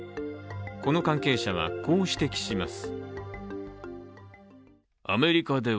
この関係者はこう指摘します。